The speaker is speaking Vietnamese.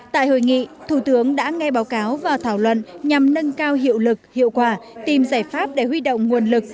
tại hội nghị thủ tướng đã nghe báo cáo và thảo luận nhằm nâng cao hiệu lực hiệu quả tìm giải pháp để huy động nguồn lực